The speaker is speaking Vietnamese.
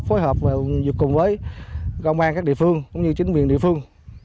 phối hợp và cùng với công an các địa phương cũng như chính quyền địa phương